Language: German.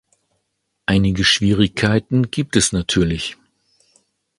Einige Schwierigkeiten gibt es natürlich.